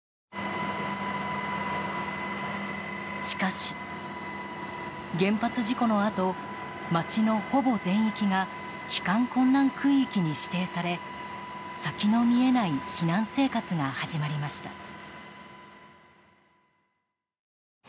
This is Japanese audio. しかし、原発事故のあと町のほぼ全域が帰還困難区域に指定され先の見えない避難生活が始まりました。